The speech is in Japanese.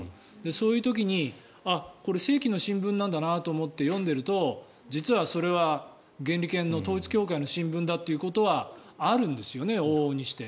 そういう時にこれ正規の新聞なんだなと思って読んでいると実はそれは原理研の統一教会の新聞だということはあるんですよね、往々にして。